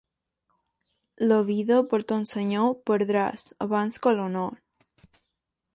La vida per ton senyor perdràs abans que l'honor.